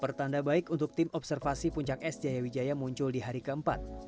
mengingatkan tanda baik untuk tim observasi puncak es jayawijaya muncul di hari keempat